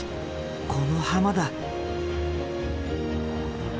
この浜だ。